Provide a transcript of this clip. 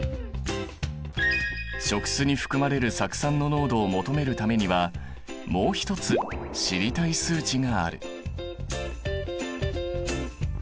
食酢に含まれる酢酸の濃度を求めるためにはもう一つ知りたい数値がある。